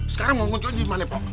sekarang mau munculin gimana pok